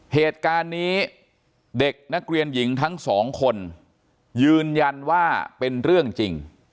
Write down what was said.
เหตุการณ์นี้เด็กนักเรียนหญิงทั้งสองคนยืนยันว่าเป็นเรื่องจริง